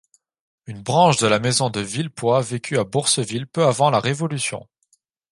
Une branche de la maison de Villepoix vécut à Bourseville peu avant la Révolution.